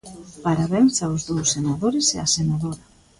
Parabéns aos dous senadores e á senadora.